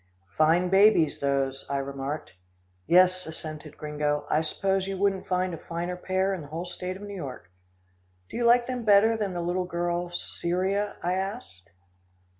"Fine babies, those," I remarked. "Yes," assented Gringo, "I suppose you wouldn't find a finer pair in the whole state of New York." "Do you like them better than the little girl, Cyria?" I asked.